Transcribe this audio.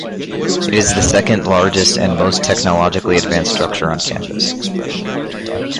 It is the second largest and most technologically advanced structure on campus.